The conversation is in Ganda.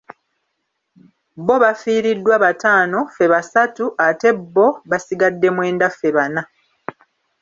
Bo bafiiriddwa bataano ffe basatu ate bo basigadde mwenda ffe bana.